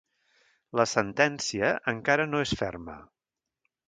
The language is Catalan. La sentència encara no és ferma.